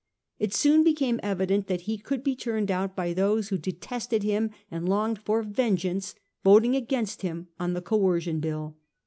It soon became evident that he could be turned out by those who detested him and longed for vengeance voting against hfm on the Coercion Bill.